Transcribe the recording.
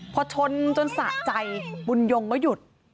พอชนจนสะใจบุญยงก็หยุด